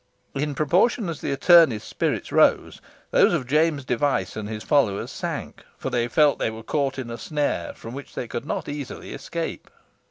In proportion as the attorney's spirits rose, those of James Device and his followers sank, for they felt they were caught in a snare, from which they could not easily escape.